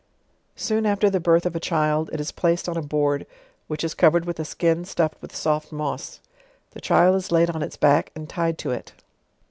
Soon after the birth of a child, it is placed on a board, which is covered with a skin stuffed with soft moss: the child is laid on its back and tied to it.